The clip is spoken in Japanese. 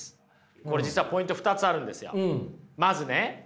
これ実はポイント２つあるんですよ。